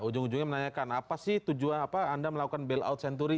ujung ujungnya menanyakan apa sih tujuan apa anda melakukan bailout senturi